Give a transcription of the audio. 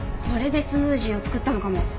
これでスムージーを作ったのかも。